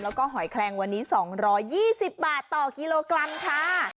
แล้วก็หอยแคลงวันนี้๒๒๐บาทต่อกิโลกรัมค่ะ